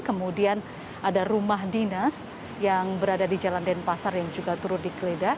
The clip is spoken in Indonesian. kemudian ada rumah dinas yang berada di jalan denpasar yang juga turut dikeledak